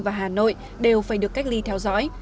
và hà nội đều phải được cách ly theo dõi